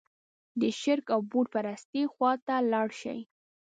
د شرک او بوت پرستۍ خوا ته لاړ شي.